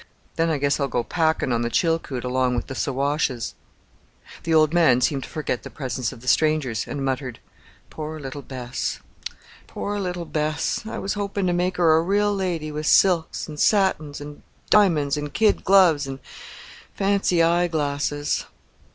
Then I guess I'll go packing on the Chilkoot along with the Siwashes." Skagway The old man seemed to forget the presence of the strangers, and muttered, "Poor little Bess! Poor little Bess! I was hoping to make her a real lady with silks, an' satins, an' diamonds, an' kid gloves, an' fancy eye glasses."